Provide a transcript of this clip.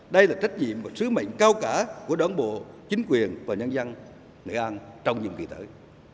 đây là trách nhiệm và sứ mệnh cao cả của đảng bộ chính quyền và nhân dân nghệ an trong nhiệm kỳ tới